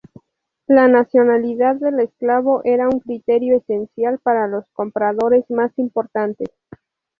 La nacionalidad del esclavo era un criterio esencial para los compradores más importantes.